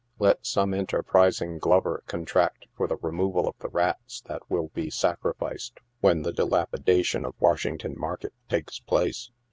Let some enter prising glover contract for the removal of the rats that will be sa crificed when the dilapidation of Washington market takes place.